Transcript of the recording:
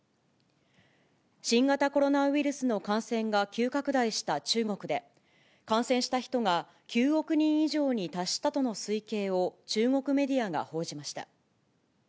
新型コロナウイルスの感染が急拡大した中国で、感染した人が９億人以上に達したとの推計を、中国メディアが報じました。